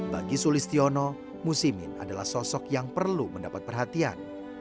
bagi sulistiono musimin adalah sosok yang perlu mendapat perhatian